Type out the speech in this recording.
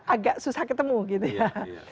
agak susah ketemu gitu ya